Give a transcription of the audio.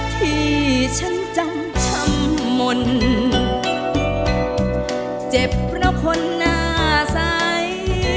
ที่ฉันจำช้ำหมดเจ็บเพราะคนหน้าใส